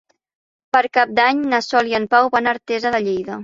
Per Cap d'Any na Sol i en Pau van a Artesa de Lleida.